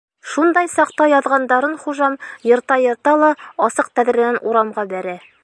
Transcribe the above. Шундай саҡта яҙғандарын хужам йырта-йырта ла, асыҡ тәҙрәнән урамға бәрә.